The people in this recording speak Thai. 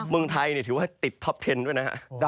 เมืองไทยถือว่าติดท็อปเทนต์ด้วยนะฮะ